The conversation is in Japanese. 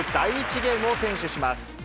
ゲームを先取します。